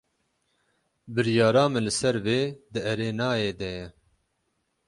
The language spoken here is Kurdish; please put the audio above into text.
Biryara min li ser vê di erênayê de ye.